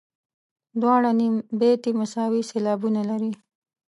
دواړه نیم بیتي مساوي سېلابونه لري.